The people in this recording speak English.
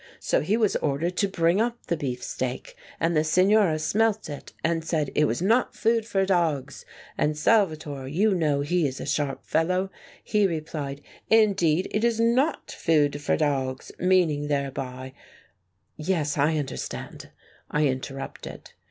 So he was ordered to bring up the beefsteak, and the Signora smelt it, and said it was not food for dogs. And Salvatore — you know he is a sharp fellow — he replied ' Indeed it is not food for dogs,' meaning thereby " "Yes, I understand," I interrupted.